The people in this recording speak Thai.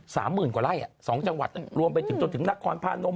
๓หมื่นกว่าไร่๒จังหวัดรวมไปจนถึงนักความพ่านม